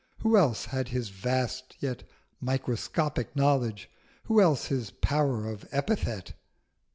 Who else had his vast yet microscopic knowledge, who else his power of epithet?